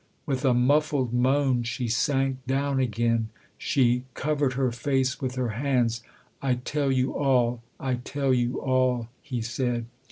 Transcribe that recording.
With a muffled moan she sank down again ; she covered her face with her hands. " I tell you all I tell you all," he said.